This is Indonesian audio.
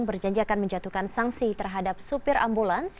berjanjakan menjatuhkan sanksi terhadap supir ambulans